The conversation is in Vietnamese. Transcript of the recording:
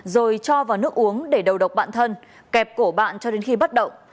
rồi cho vào nước uống để đầu độc bản thân kẹp cổ bạn cho đến khi bắt động